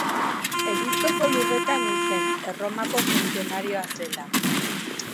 Egiptoko lurretan hil zen, Erromako funtzionario zela.